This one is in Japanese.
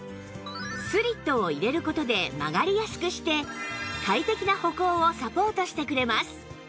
スリットを入れる事で曲がりやすくして快適な歩行をサポートしてくれます